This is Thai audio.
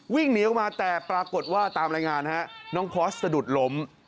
วิ่งหนีออกมาแต่ปรากฏว่าตามรายงานฮะน้องคอร์สสะดุดล้ม